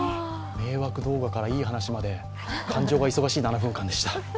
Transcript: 迷惑動画からいい話まで感情が忙しい７分間でした。